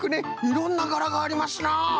いろんながらがありますな。